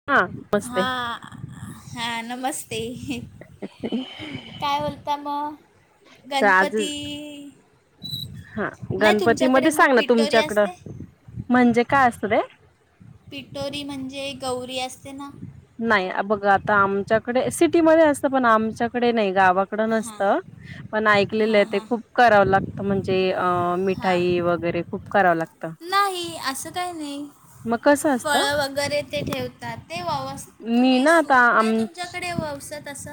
[unintelligible] हां हा नमस्ते. काय बोलता मग, गणपती हो नाही तुमच्याकडे गणपतीमध्ये मग सांग ना पिटोरी तुमच्याकडं, असते म्हणजे काय असत ते. पिटोरी म्हणजे गौरी असते ना. नाही बघ आता आमच्याकडे सिटीमध्ये असतं पण आमच्याकडे नाही गावा हिकडं नसत पण ऐकलेलं हां ते हां खूप कराव लागत म्हणजे हां मिठाई वगैरे. खूप करावं लागतं नाही असं काही नाही, मग कसं फळ असतं वगैरे ते ठेव ते ववस मी तुम्ही ना आता सूप आम नाही तुमच्याकडे ववसतं अस.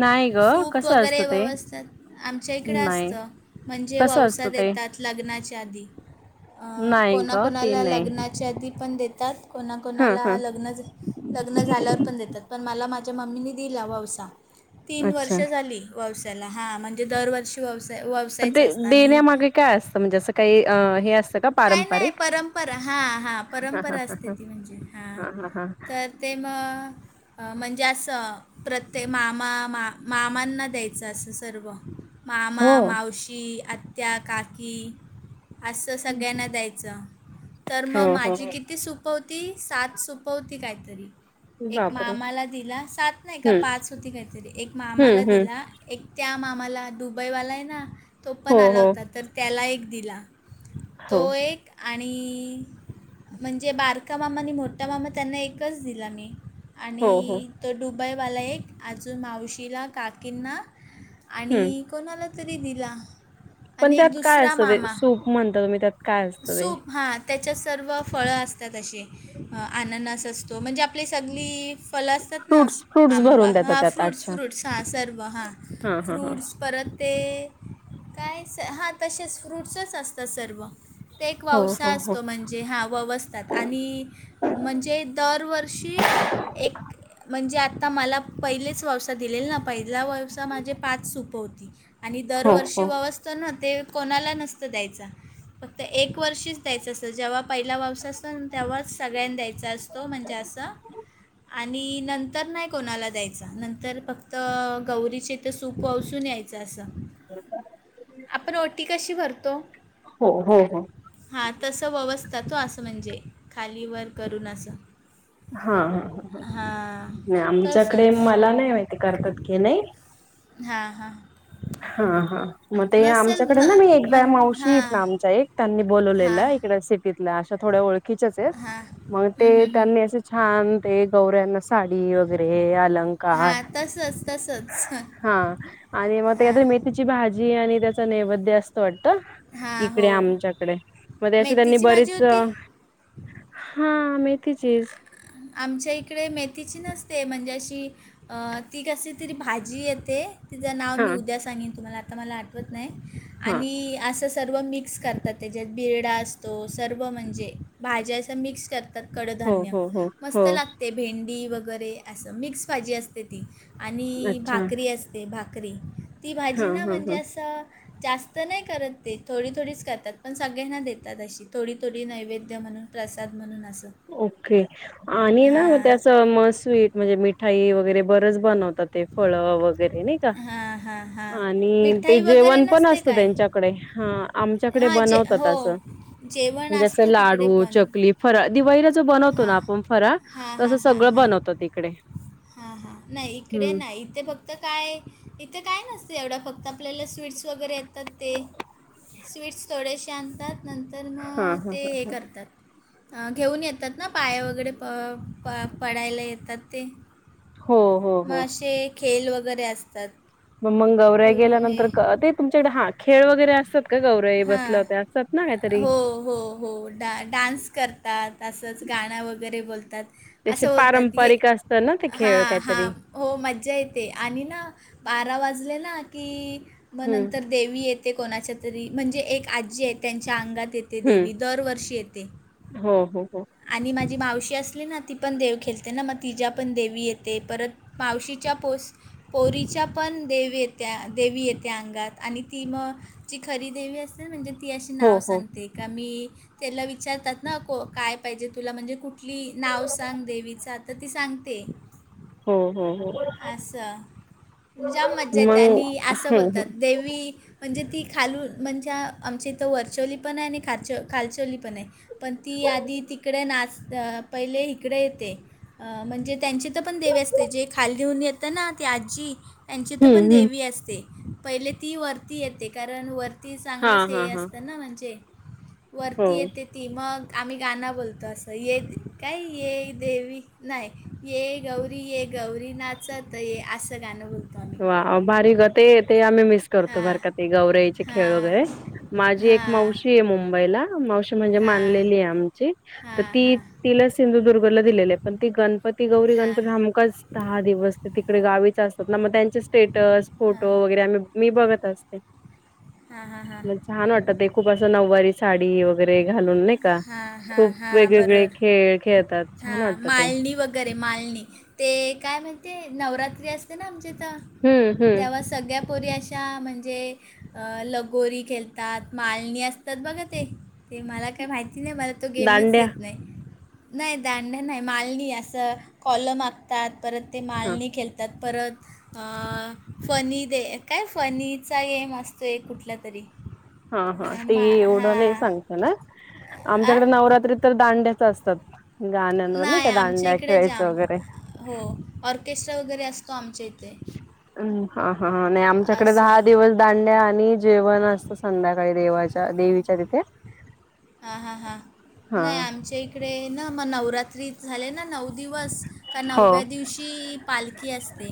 नाही ग सूप कसं वगैरे असतं ते ववसतात, आमच्या इकडे नाही असतं म्हणजे कसं ववसा असतं ते देतात. लग्नाच्या आधी, नाही कोणा ग ते कोणाला नाही लग्ना च्यााआधी पण देतात हा कोणाकोणाला हा लग्न झा लग्न झाल्यावर पण देतात, पण मला माझ्या मम्मीने दिला ववसा. तीन अच्छा वर्षं झाली ववशाला हां म्हणजे दरवर्षी ववसा पण ते ववसायचं असतं आणि देण्यामागे काय असतं म्हणजे, असं काही हे असतं का. काय नाही पारंपरिक परंपरा, हां हां हा हा परंपरा हा असते हा ती म्हणजे हां हा हा हा तर ते मं म्हणजे असं प्रत्येयं मामा, मामांना द्यायचं असं सर्व. मामा, हो मावशी, आत्या, काकी असं. सगळ्यांना द्यायचं तर हो मग हो माझी कि किती सुप होती, सात सुप होती काहीतरी. एक बापरे मामाला दिला, सात नाही का हम्म पाच होती काहीतरी, एक मामाला हम्म हम्म दिला. एक त्या मामाला दुबईवाला आहे ना, तो हो पण आला हो होता तर त्याला एक दिला. हो तो एक. आणि म्हणजे बारका मामा आणि मोठा मामा त्यांना एकच दिला मी. हो हो आणि तो दुबईवाला एक, अजून मावशीला, काकींना हम्म आणि कोणाला तरी दिला. पण आणि त्यात एक काय दुसरा असतं ते सूप म्हणता तुम्ही का सुप हा त्याच्यात सर्व फळं असतात अशी, अननस असतो म्हणजे आपली सगळी फळं असतात ना. फ्रूट्स फ्रूट्स आंबा भरून देता हा त्यात फ्रुट्स अच्छा फ्रुट्स, हां सर्व हां हा हा हा फ्रूट्स परत ते काय हां तसेच फ्रूट्सच असतात सर्व. ते एक हो ववसा हो हो असतो म्हण जे हां ववसतात, आणि म्हणजे दरवर्षी एक म्हणजे आता मला पहिलाच वावसा दिलेला ना पहिलाच वावसा माझा पाच सुप होती. आणि हो दरवर्षी हो ववसतं न राहते कोणाला नसतं द्यायचं. फक्त एक वर्षीच द्यायचं असतं जेव्हा पहिला ववसा असतो तेव्हाच सगळ्यांना द्यायचा असतो. तो म्हणजे असं आणि नंतर नाही कोणाला द्यायचा नंतर फक्त गौरीचे ते सूप वसून यायचं अस आपण ओटी कशी भरतो हो हो हो. हा तसं ववस्था तो असं म्हणजे खाली वर करून असं हा हा हां ह आमच्याकडे तसंच मला नाही माहिती करतात की नाही. हां हां. हा हा मग ते नसेल आमच्याकडे ना मी एकदा म्हण मावशी आहेत हां ना एक त्यांनी हां बोलवलेलं ईकड शेतीतल अशा थोड्या ओळखीच्याच आहेत मग ते हां त्यांनी छान ते गौऱ्यांना साडी वगैरे अलं हा तसंच तसंच हा आणि मग हां त्याच्यात मेथीची भाजी आणि त्याच नैवेद्य असतं वाटतं. हां इकडे हो आमच्याकडे मग अशी त्यांनी मेथीची भाजी बरीच होती हा मेथीचीच आमच्या इकडे मेथीची नसते म्हणजे अशी हा ती कशीतरी भाजी येते. तिचं नाव मी हा उद्या सांगेन तुम्हाला आता मला आठवत नाही हा आणि असं सर्व मिक्स करतात त्याच्यात बिरडा असतो सर्व म्हणजे भाज्या असं मिक्स करतात त्यात हो कडधान्य हो हो हो मस्त लागते भेंडी वगैरे असं मिक्स भाजी असते ती आणि अच्छा भाकरी अस ते भाकरी ती हा भाजी ना हा म्हणजे हा असं जास्त नाही करत ते थोडी थोडीच करतात पण सगळ्यांना देतात अशी थोडी थोडी नैवेद्य म्हणून. प्रसाद म्हणून अस. ओके आणि ना मग त्याच म स्वीट म्हणजे मिठाई वगैरे बरच बनवतात ते फळ वगैरे नाय का हां हां हां आणि ते मिठाई वगैरे जेवण पण नसते असत काय त्यांच्याकडे ह आमच्याकडे हां जे बनवतात हो असं जेवण असतो म्हणजे तिकडे लाडू पण चकली फराळ दिवाळीला जो बनवतो ना हां आपण फराळ तसं सगळं बनवतात तिकडे. हा हा नाय इकडे नाय इथे फक्त तर काय इथं काय नसत एवढा फक्त आपल्याला स्वीट्स वगैरे येतात ते स्वीट्स थोडेशे आणतात. नंतर म हा हा ते हा. हे करतात. घेऊन येतात ना पाया वगैरे प प पडायला येतात ते हो. हो म हो असे खेल वगैरे असतात. मग मग गौऱ्या कुर हे गेल्यानंतर ते तुमच्याकडे हा खेळ वगैरे असतात. क गौराई हां बसल्यावर असतात ना ते काय तरी हो, हो, हो डा डान्स करतात असंच गाणं वगैरे बोलतात तसे असं बोलतात ये पारंपरिक असतात ना ते हा खेळ हा काहीतरी हो मज्जा येते आणि ना बारा वाजले ना की मग हम्म नंतर देवी येते कोणाच्या तरी म्हणजे एक आजी आहे त्यांच्या अंगात येते देवी हम्म दरवर्षी येते. हो हो हो. आणि माझी मावशी असली ना ती पण देव खेळते ना मग तिच्या पण देवी येते परत मावशीच्या पोस्ट पोरीच्या पण देवी येत्या देवी येत्या अंगात आणि ती मग ची खरी देवी अस म्हणजे ती अशी हो नाव हो सांगते का मी त्याला विचारतात ना को काय पाहिजे तुला म्हणजे कुठली नाव सांग देवीचा तर ती सांगते. हो हो हो. असं जाम मज्जा येते मग आणि असं ह ह बोलतात देवी म्हणजे ती खालून म्हणजे आमच्या इथं वरचोली पण आहे आणि खाच खालचवली पण आहे. पण ती आधी तिकडे नाच पहिले इकडे येते. अ म्हणजे त्यांचे तर पण देवे असते जे खालीलीिहन [unintelligible] येतं ना ती आजी त्यांची ईथ पण हम्म हम्म देवी असते. पहिले ती वरती येते कारण वरती हा चांगलंच हा हे हा असतं ना म्हणजे हो वरती येते. ती मग आम्ही गाणं बोलतो असं येत काय येई देवी नाही ये गौरी ये गौरी नाचत ये असं गाणं बोलतो भारी गते ते आम्ही मिस [unintelligible] हा करतो बर का ते गौराईचे हा खेळ वगैरे माझी हा एक हा मावशी आहे मुंबईला मावशी म्हणजे हा मानलेली आहे आमची. हा तर हा ती तिला सिंधुदुर्गला दिलेली आहे पण ती गणपती गौरी गणपती हा कस दहा दिवस ते तिकडे गावीच असत मग त्यांचे स्टेटस फोटो वगैरे आ मी बघत असते. म हा छान वाटत ते खूप असं नऊवारी साडी वगैरे घालून नाही का हा हा खूप हा वेगवेगळे बरोबर खेळ खेळतात हा छान वाटतं ते. मालणी वगैरे मालणी ते काय म्हणते नवरात्री असते ना आमच्या इथ. हम्म हम्म. सगळ्या पोरी अशा म्हणजे अ लगोरी खेळतात मालणी असतात बघा ते ते मला काय माहिती नाही मला तू गेमच दांड्या येत नाही नाही दांड्या नाही माळणी असं कॉल माग तात परत ते हा मालणी खेळतात. त्या परत अ फनी दे काय फनीचा गेम असत तो एक कुठला तरी. हा हा ते मा एवढं नाही हां सांगत ना आ आमच्याकडे नवरात्री तर दांड्याच असतात गाण्यांवर नाही आमच्या दांड्या इकडे खेळायच्या जाम वगैरे हो ऑर्केस्ट्रा वगैरे असतो आमच्या इथ हम्म हा हा नाही आमच्याकडे दहा असं दिवस दांड्या आणि जेवण असत संध्याकाळी देवाच्या देवीच्या तिथे हां हां हां नाही हा. आमच्या इकडे ना मग नवरात्री झाले ना नऊ दिवस. का हो नवव्या दिवशी पालखी असते.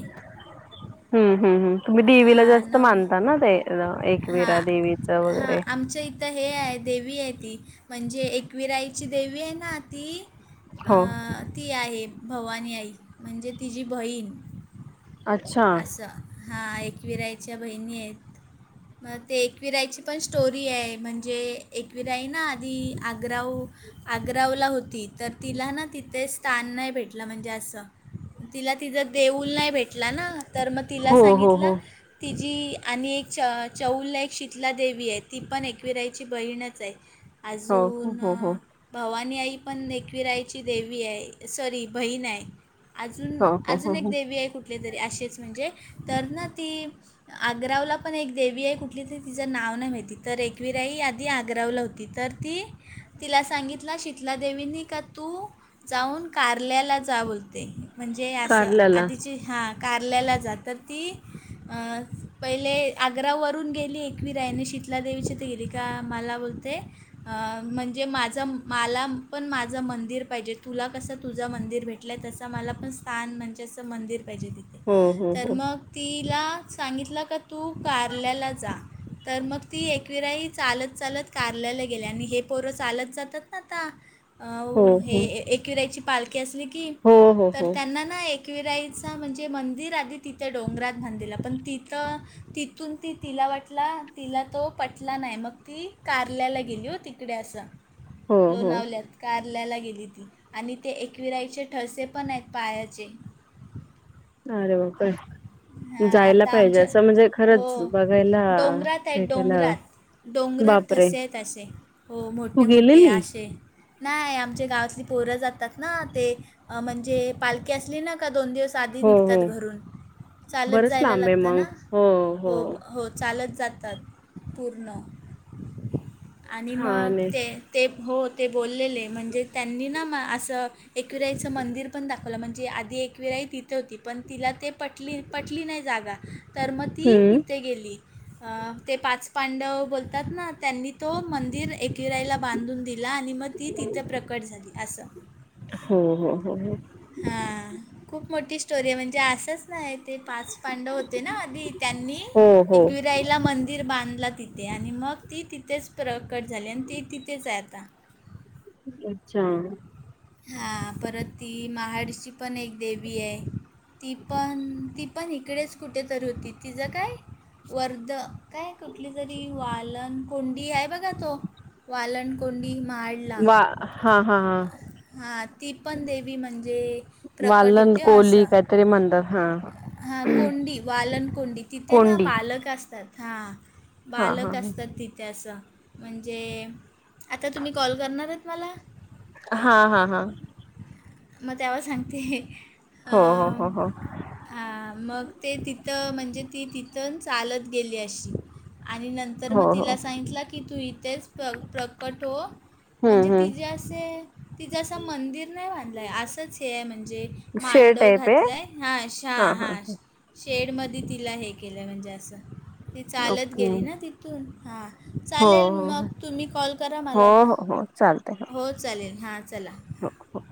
हम्म हम् ह तुम्ही देवीला हां जास्त नव मानता ना ते एकविरा देवीच वगैरे तर हे आहे देवी आहे ती म्हणजे एकविराईची देवी आहे ना ती हो. अं, ती आहे भवानी आई म्हणजे तिझी बहीण अच्छा असा. हा एकविरा आईच्या बहिणी आहेत. मग ते एकविरायची पण स्टोरी आहे म्हणजे एकविराई ना आधी आग्राऊ आग्रावला होती तर तिला ना तिथे स्थान नाही भेटलं म्हणजे असं तिला तिजा देऊल नाही भेटला ना तर मग तिला हो हो हो सांगितलं तिजी आणि एक च चौलला एक शीतला देवी आहे ती पण एकविराईची बहीणच आहे हो हो अजून हो हो भावानी आई पण ऐकवीरा आईची देवी आहे सॉरी बहीण आहे. अजून हो हो हो अजून एक हो देवी आहे कुठली तरी अशीच म्हणजे तर ना ती आग्रवला पण एक देवी आहे कुठली तरी तिचं नाव नाही माहिती तर एकविरा आई आधी आग्रवला हो ती तर ती तिला सांगितला शीतला देवीनी का तू जाऊन कारल्याला जा बोलते. म्हणजे असं कारल्याला आधीचे हा कारल्याला जा तर ती अ पहिले आग्रावरून गेली एकवीरा आईने शित तला देवीची ते गेली का मला बोलते अ म्हणजे माझं मला पण माझं मंदिर पाहिजे तुला कसं तुझं मंदिर भेट ला तसं मला पण स्थान म्हणजे असं मंदिर पाहिजे हो हो तिथं तर हो मग तिला सांगितलं का तू कारल्याला जा. तर मग ती एकविरा आई चालत चालत कारल्याला गेली आणि हे पोरं चालत जातात ना आता. हो आऊ हो एकविरा आईची पालखी असली की हो तर हो हो त्यांना ना ए कविरा आईचा म्हणजे मंदिर आधी तिथं डोंगरात बांधलेला पण तिथं तिथून ती तिला वाटला तिला तो पटला नाही मग ती कारल्याला गेली होती तिकडे असं हो हो लोनावल्यात. कारल्याला गेली ती आणि ते एकविरा आईचे ठळसे पण आहेत पायाचे. अरे वाह काय हां जायला आता पाहिजे आमच्या असं म्हणजे हो खरंच बघायला डोंगरात आहेत त्याला डोंगरात डोंगरात बापरे ठस्से आहेत हो तू मोठे मोठे गेलेली अशे. नाही आमच्या गावातली पोरं जातात ना ते म्हणजे पालखी असली ना का दोन दिवस सादि हो निघतात हो घरून चालत बरच जायला लांब आहे लागतं मग ना हो हो ब हो चालत जातात पूर्ण आणि मग छान आहे ते ते हो ते बोललेले म्हणजे त्यांनी ना म असं एकविरा आईचं मंदिर पण दाखवलं म्हणजे आधी एकविरा आई तिथे होती पण तिला ते पटली पटली नाही जागा तर म ती हम्म इथे गेली अ ते पाच पांडव बोलतात ना त्यांनी तो मंदिर एकवीरा आईला बांधून दिला आणि म ती तिथे प्रकट झाली असं हो हो हो हो हा खूप मोठी स्टोरी आहे म्हणजे असंच नाही ते पाच पांडव होते ना आदी त्यांनी हो हो एकवीरा द्यायला मंदिर बांधला तिथे आणि मग ती तिथेच प्रकट झाली आणि ती तिथेच आहे आता. अच्छा. हा परत ती महाऋषि पण एक देवी आहे ती पण ती पण इकडेच कुठे तरी होती तिझं काय वरदं काय कुठलीतरी वालन कोंडी आहे बघा तो वालण कोंडी महाड वा हा हा हा. हा ती पण देवी म्हणजे प्रकट वालन होते कोली असं. काहीतरी म्हणतात हा हा कोंडी वालन कोंडी तिथे ना कोंडी बालक असतात हा. हा हा बालक हा असतात तिथे असं म्हणजे आता तुम्ही कॉल करणार आहेत मला? हा हा हा. मग त्यावर सांगते. हो हो हो अं, हो मग ते तिथं म्हणजे ती तिथं चालत गेली अशी आणि नंतर तर हो मग हो तिला सांगितलं की तू इथेच प्र प्रकट हो म्हणजे हम्म तिजे हम्म असे तिज असं मंदिर नाही बांधलाय असच हे म्हणजे शेळ मांडव टाईप आहे घातलाय हा अशा हा हा हाशा शेड मध्ये तिला हे केलं म्हणजे असं ती चालत ओके गेली ना तिथून हा. हो चालेल हो मग तुम्ही कॉल करा मला हो आता हो हो चालतय हो चालेल हा चला. हो हो [unintelligible]